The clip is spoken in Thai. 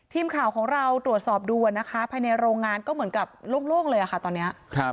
ทีมข่าวของเราตรวจสอบดูนะคะภายในโรงงานก็เหมือนกับโล่งเลยค่ะตอนนี้